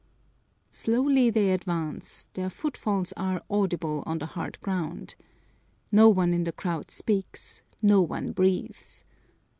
Slowly they advance, their footfalls are, audible on the hard ground. No one in the crowd speaks, no one breathes.